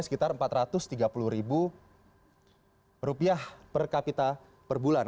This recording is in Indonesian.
sekitar empat ratus tiga puluh ribu rupiah per kapita per bulan